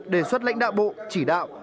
đề xuất lãnh đạo bộ chỉ đạo